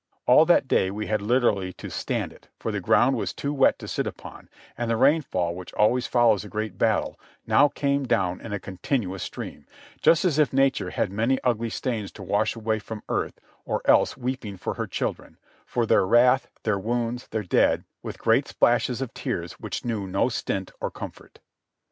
All that day we had literally to "stand it,'' for the ground was too wet to sit upon, and the rainfall which always follows a great battle now came down in a continuous stream, just as if Nature had many ugly stains to wash away from earth or else was weep ing for her children, for their wrath, their wounds, their dead, with great splashes of tears which knew no stint or comfort.